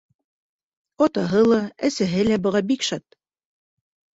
Атаһы ла, әсәһе лә быға бик шат.